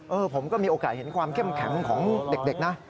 ผมก็มีโอกาสเห็นความเข้มแข็งของเด็กนะ